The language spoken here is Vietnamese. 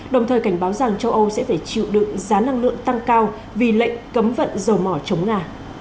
đồng thời cảnh báo rằng châu âu sẽ phải chịu đựng giá năng lượng tăng cao vì lệnh cấm vận dầu mỏ chống nga